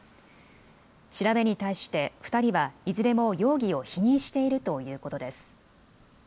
調べに対して２人はいずれも容疑を否認しているということです。